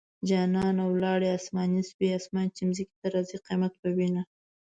جانانه ولاړې اسماني شوې - اسمان چې ځمکې ته راځي؛ قيامت به وينه